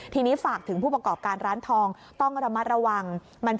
ทีนี้ฝากถึงผู้ประกอบการร้านทองต้องระมัดระวัง